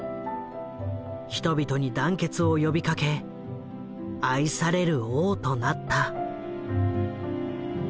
人々に団結を呼びかけ愛される王となった。